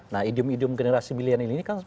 nah idiom idiom generasi milenial ini kan